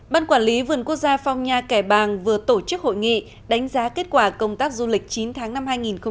ban quản lý vườn quốc gia phong nha kẻ bàng vừa tổ chức hội nghị đánh giá kết quả công tác du lịch chín tháng năm hai nghìn một mươi chín